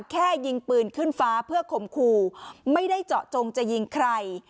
แค่ยิงปืนขึ้นฟ้าเพื่อข่มขู่ไม่ได้เจาะจงจะยิงใคร